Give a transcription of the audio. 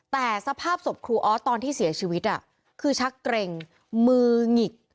แต่สภาพศพครูออสตอนที่เสียชีวิตคือชักเกร็งมือหงิก